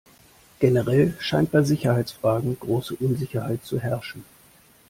Generell scheint bei Sicherheitsfragen große Unsicherheit zu herrschen.